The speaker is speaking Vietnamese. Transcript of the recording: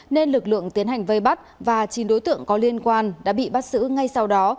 nên lực lượng tiến hành vây bắt và chín đối tượng có liên quan đã bị bắt giữ ngay sau đó